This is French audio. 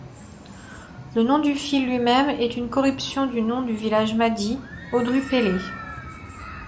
Le nom Dufile lui-même est une corruption du nom du village Madi, Odrupele.